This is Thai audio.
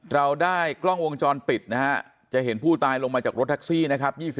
เราได้กล้องวงจรปิดนะฮะจะเห็นผู้ตายลงมาจากรถแท็กซี่นะครับ